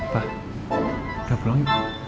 pak udah pulang ya